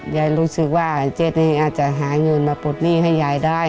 ยายรู้สึกว่าเจ๊นี่อาจจะหาเงินมาปลดหนี้ให้ยายได้